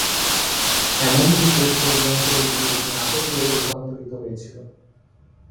এমনকি শেষপর্যন্ত এটি একটি নাটকেও রূপান্তরিত হয়েছিল।